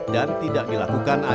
dan tidak dilakukan adil